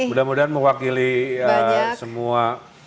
mudah mudahan mewakili semua